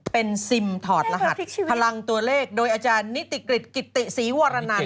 เป็นซิมถอดรหัสพลังตัวเลขโดยอาจารย์นิติกฤษกิติศรีวรนัน